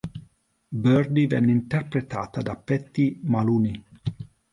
Birdie venne interpretata da Patty Maloney.